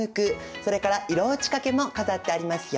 それから色打ち掛けも飾ってありますよ。